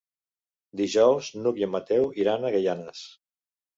Dijous n'Hug i en Mateu iran a Gaianes.